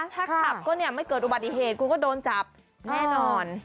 ถ้าขับก็เนี่ยไม่เกิดอุบัติเหตุคุณก็โดนจับแน่นอน